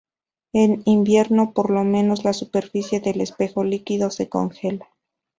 En invierno, por lo menos la superficie del espejo líquido se congela.